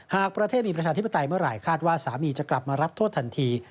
หากประเทศมีประชาธิปไตยเมื่อไหร่คาดว่าสามีจะกลับมารับโทษทันที